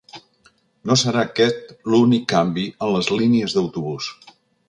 No serà aquest l’únic canvi en les línies d’autobús.